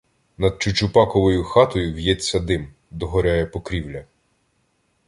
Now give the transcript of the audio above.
Над Чучупаковою хатою в'ється дим — догоряє покрівля.